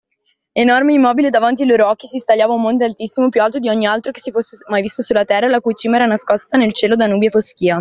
Enorme e immobile davanti ai loro occhi si stagliava un monte altissimo, più alto di ogni altro che si fosse mai visto sulla terra, la cui cima era nascosta nel cielo da nubi e foschia.